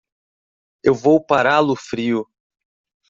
Eu vou pará-lo frio.